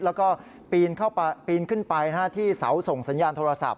แล้วก็ปีนขึ้นไปที่เสาส่งสัญญาณโทรศัพท์